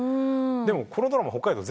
でもこのドラマ北海道